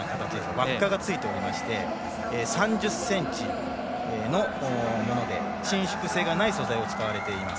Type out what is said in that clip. わっかがついていまして３０ｃｍのもので伸縮性がない素材が使われています。